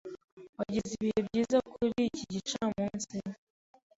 Wagize ibihe byiza kuri iki gicamunsi?